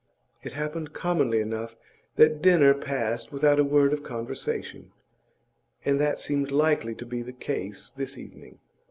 It happened commonly enough that dinner passed without a word of conversation, and that seemed likely to be the case this evening.